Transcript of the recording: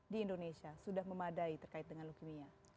di indonesia sudah memadai terkait dengan leukemia